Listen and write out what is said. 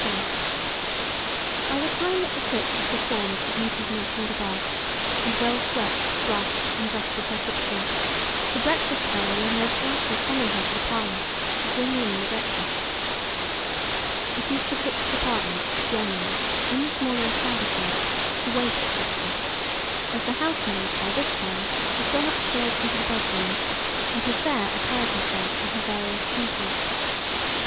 BY THE TIME THAT THE COOK has performed the duties mentioned above, and well swept, brushed, and dusted her kitchen, the breakfast bell will most likely summon her to the parlour, to "bring in" the breakfast. It is the cook's department, generally, in the smaller establishments, to wait at breakfast, as the housemaid, by this time, has gone up stairs into the bedrooms, and has there applied herself to her various duties.